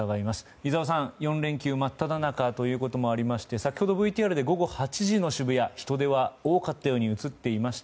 井澤さん、４連休真っただ中ということもありまして先程、ＶＴＲで午後８時の渋谷人出が多かったように感じました。